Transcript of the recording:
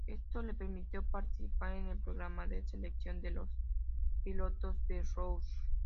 Eso le permitió participar en el programa de selección de pilotos de Roush.